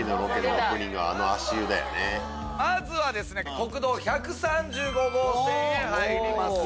まずは国道１３５号線へ入ります。